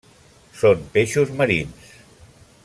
Són peixos marins.